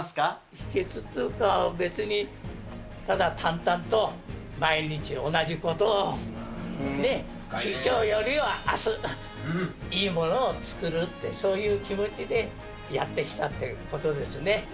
秘けつっていうか、別に、ただ淡々と毎日同じことを、きょうよりはあす、いいものを作るって、そういう気持ちでやってきたってことですね。